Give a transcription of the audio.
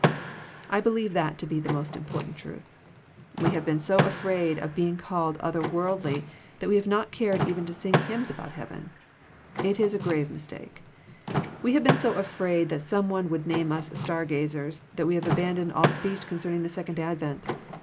I believe that to be most important truth. We have been so afraid of being called other worldly, that we have not cared even to sing hymns about heaven. It is a grave mistake. We have been so afraid that some one would name us star gazers, that we have abandoned all speech concerning the second advent.